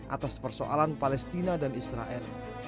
atas persoalan palestina dan israel